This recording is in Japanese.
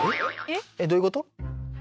えっどういうこと？